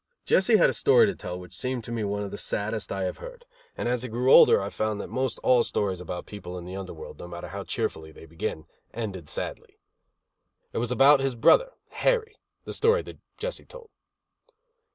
Jesse had a story to tell which seemed to me one of the saddest I have heard: and as I grew older I found that most all stories about people in the under world, no matter how cheerfully they began, ended sadly. It was about his brother, Harry, the story that Jesse told.